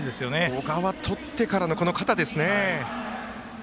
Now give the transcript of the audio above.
小川とってからのこの肩ですね。